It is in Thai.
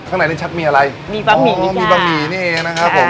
ข้างในลิ่นชักมีอะไรเหมือนกันคะอ๋อมีบะหมี่นี่เองนะครับ